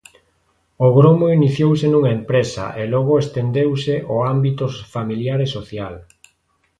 O gromo iniciouse nunha empresa e logo estendeuse ao ámbito familiar e social.